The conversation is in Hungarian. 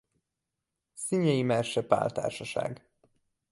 Szinyei Merse Pál Társaság